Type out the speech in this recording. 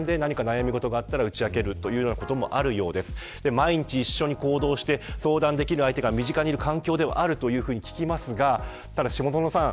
毎日一緒に行動して相談できる相手が身近にいる環境ではあると聞きますがただ下園さん